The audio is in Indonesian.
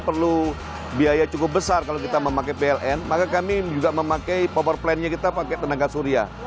perlu biaya cukup besar kalau kita memakai pln maka kami juga memakai power plan nya kita pakai tenaga surya